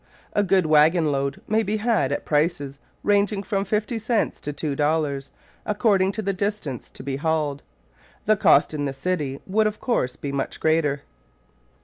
A good waggon load may be had at prices ranging from fifty cents to two dollars, according to the distance to be hauled. The cost in the city would, of course, be much greater.